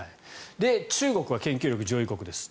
中国は研究力上位国です。